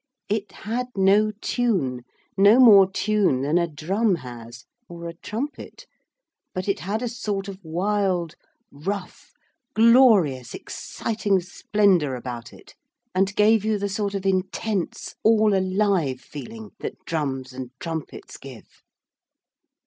It had no tune, no more tune than a drum has, or a trumpet, but it had a sort of wild rough glorious exciting splendour about it, and gave you the sort of intense all alive feeling that drums and trumpets give.